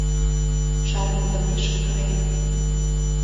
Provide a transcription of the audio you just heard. Шарныдымеш кыреныт...